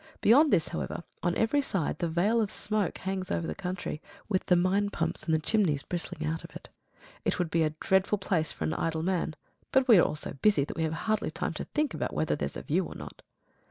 Beyond this, however, on every side the veil of smoke hangs over the country, with the mine pumps and the chimneys bristling out of it. It would be a dreadful place for an idle man: but we are all so busy that we have hardly time to think whether there's a view or not.